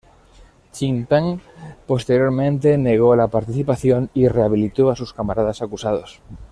Chin Peng posteriormente negó la participación y rehabilitó a sus camaradas acusados.